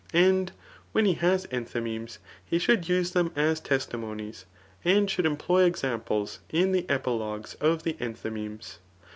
And when he has enthymemes, he should use them as testimonies, and should employ examples in the epilogues of the enthy memes.